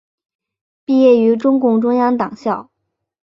毕业于中共中央党校。